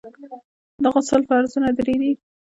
د غسل فرضونه درې دي.